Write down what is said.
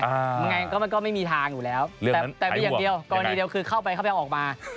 ยังไงก็มันก็ไม่มีทางอยู่แล้วแต่มีอย่างเดียวกรณีเดียวคือเข้าไปเข้าไปเอาออกมา